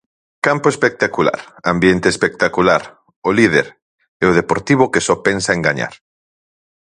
Campo espectacular, ambiente espectacular, o líder, e o Deportivo que só pensa en gañar.